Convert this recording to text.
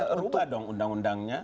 terubah dong undang undangnya